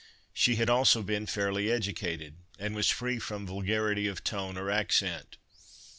She had also been fairly educated, and was free from vulgarity of tone or accent.